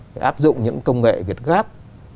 để áp dụng những công nghệ việt gap